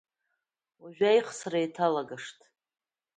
Уажәы аихсра еиҭалагашт.